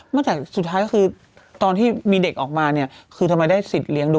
เพราะถึงบอกว่าพ่อไม่ได้จนนะ